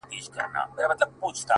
د كار نه دى نور ټوله شاعري ورځيني پاته.